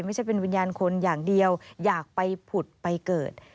ไม่ใช่เป็นวิญญาณคนอย่างเดียวอยากไปผุดไปเกิด